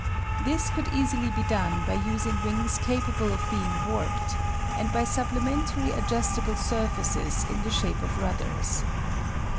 This could easily be done by using wings capable of being warped, and by supplementary adjustable surfaces in the shape of rudders.